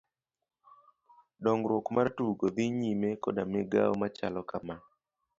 Dong'ruok mar tugo dhi nyime koda migao machalo kama.